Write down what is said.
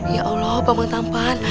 ya allah bambang tampan